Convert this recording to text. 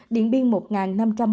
điện biên một năm trăm bốn mươi hai ca